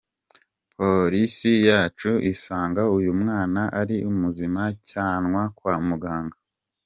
Polisi yacukuye isanga uyu mwana ari muzima ajyanwa kwa muganga.